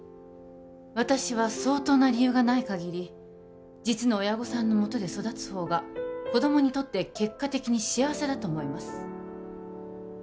私は相当な理由がないかぎり実の親御さんのもとで育つほうが子供にとって結果的に幸せだと思います